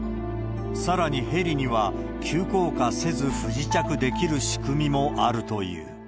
さらにヘリには、急降下せず不時着できる仕組みもあるという。